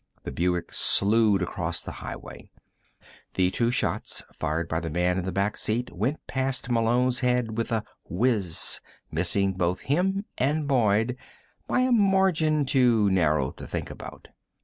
The Buick slewed across the highway. The two shots fired by the man in the back seat went past Malone's head with a whizz, missing both him and Boyd by a margin too narrow to think about.